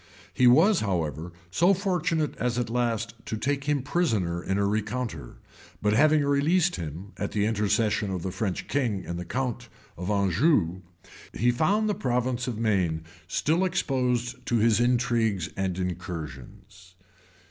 He was, however, so fortunate as at last to take him prisoner in a rencounter, but having released him, at the intercession of the French king and the count of Anjou, he found the province of Maine still exposed to his intrigues and incursions.